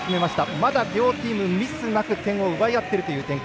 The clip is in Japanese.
まだ、両チームミスなく点を奪い合っている展開。